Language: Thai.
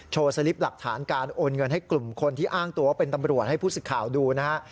สลิปหลักฐานการโอนเงินให้กลุ่มคนที่อ้างตัวว่าเป็นตำรวจให้ผู้สิทธิ์ข่าวดูนะฮะ